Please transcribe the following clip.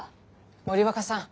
森若さん